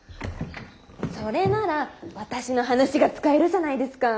それなら私の話が使えるじゃないですかー。